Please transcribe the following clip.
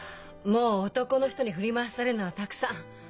もう男の人に振り回されるのはたくさん。